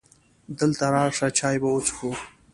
دلته راشه! چای به وڅښو .